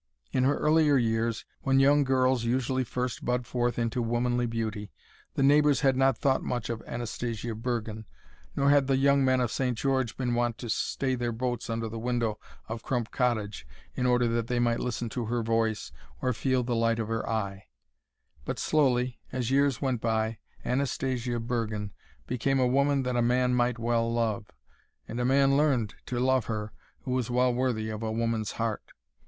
In her earlier years, when young girls usually first bud forth into womanly beauty, the neighbours had not thought much of Anastasia Bergen, nor had the young men of St. George been wont to stay their boats under the window of Crump Cottage in order that they might listen to her voice or feel the light of her eye; but slowly, as years went by, Anastasia Bergen became a woman that a man might well love; and a man learned to love her who was well worthy of a woman's heart.